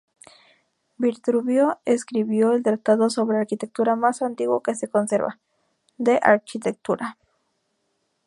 Vitruvio escribió el tratado sobre arquitectura más antiguo que se conserva, "De Architectura".